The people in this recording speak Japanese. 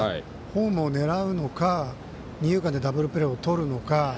ホームを狙うのか二遊間でダブルプレーをとるのか。